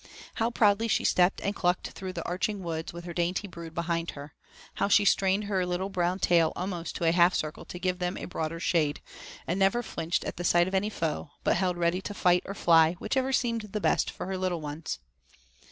How proudly she stepped and clucked through the arching woods with her dainty brood behind her; how she strained her little brown tail almost to a half circle to give them a broader shade, and never flinched at sight of any foe, but held ready to fight or fly, whichever seemed the best for her little ones.